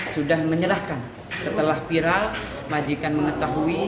sudah menyerahkan setelah viral majikan mengetahui